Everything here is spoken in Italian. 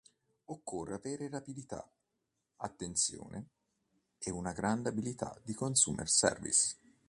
Occorre avere rapidità, attenzione, e una grande abilità di customer service.